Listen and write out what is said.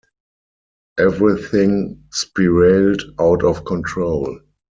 Everything spiraled out of control.